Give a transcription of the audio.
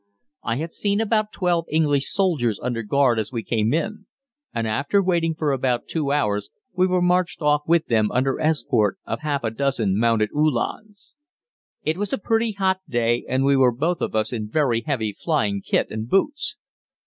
I had seen about twelve English soldiers under guard as we came in, and after waiting for about two hours, we were marched off with them under escort of half a dozen mounted Uhlans. It was a pretty hot day, and we were both of us in very heavy flying kit and boots.